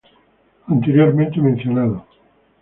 Anteriormente mencionado